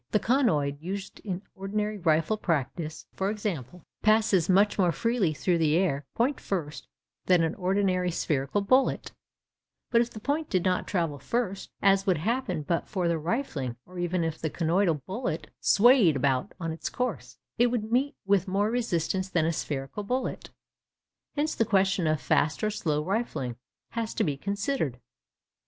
The conoid used in ordinary rifle practice, for example, passes much more freely through the air, point first, than an ordinary spherical bullet; but if the point did not travel first, as would happen but for the rifling, or even if the conoidal bullet 'swayed about' on its course, it would meet with more resistance than a spherical bullet. Hence the question of 'fast or slow rifling' has to be considered.